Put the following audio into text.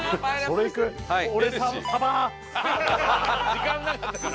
時間なかったから。